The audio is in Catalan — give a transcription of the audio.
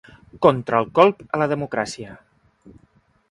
Contra el colp a la democràcia.